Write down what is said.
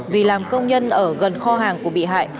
vì làm công nhân ở gần kho hàng của bị hại